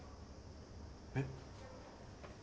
えっ？